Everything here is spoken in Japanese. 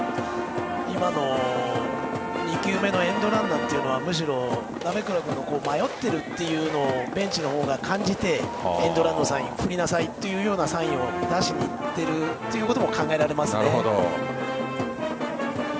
今の２球目のエンドランはむしろ、鍋倉が迷っているというのをベンチのほうが感じてエンドランのサイン振りなさいというサインを出しにいっているということも考えられますね。